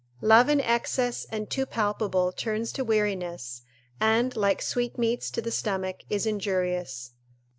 ["Love in excess and too palpable turns to weariness, and, like sweetmeats to the stomach, is injurious."